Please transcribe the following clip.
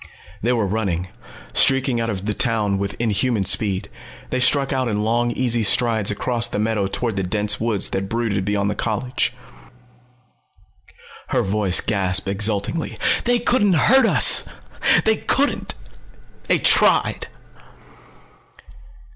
They were running, streaking out of the town with inhuman speed. They struck out in long easy strides across the meadow toward the dense woods that brooded beyond the college. Her voice gasped exultingly. "They couldn't hurt us! They couldn't! They tried!"